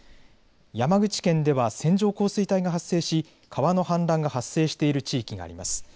山口県では線状降水帯が発生し川の氾濫が発生している地域があります。